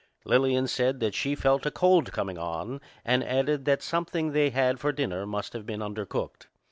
Lillian said that she felt a cold coming on, and added that something they had had for dinner must have been undercooked.